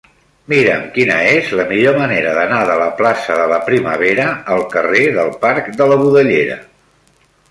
Mira'm quina és la millor manera d'anar de la plaça de la Primavera al carrer del Parc de la Budellera.